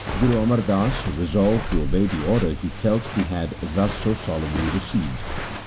Guru Amar Das resolved to obey the order he felt he had thus so solemnly received.